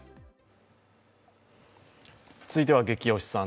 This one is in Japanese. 続いては「ゲキ推しさん」。